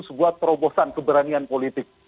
sebuah perobosan keberanian politik